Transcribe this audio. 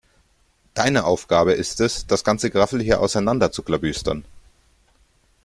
Deine Aufgabe ist es, das ganze Geraffel hier auseinander zu klabüstern.